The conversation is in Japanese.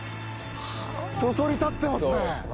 そそり立ってますね。